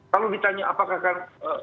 kalau ditanya apakah kan